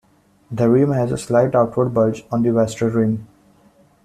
The rim has a slight outward bulge on the western rim.